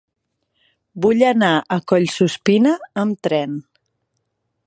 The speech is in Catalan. Vull anar a Collsuspina amb tren.